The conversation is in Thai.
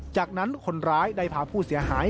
จากนั้นคนร้ายได้พาผู้เสียหาย